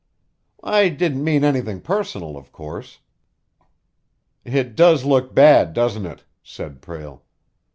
"I didn't mean anything personal, of course." "It does look bad, doesn't it?" said Prale.